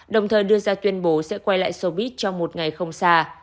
đồng thời đưa ra tuyên bố sẽ quay lại showbiz cho một ngày không xa